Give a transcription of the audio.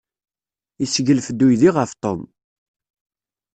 Yesseglef-d uydi ɣef Tom.